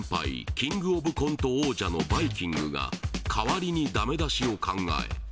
キングオブコント王者のバイきんぐが代わりにダメ出しを考え